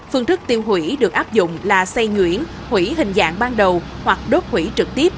phương thức tiêu hủy được áp dụng là xây nhuyễn hủy hình dạng ban đầu hoặc đốt hủy trực tiếp